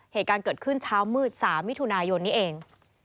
เหตุการณ์เกิดขึ้นเช้ามืด๓มิถุนายนนี้เอง